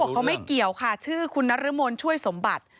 เขาบอกว่าเขาไม่เกี่ยวค่ะชื่อคุณนัทริมลช่วยสมบัติ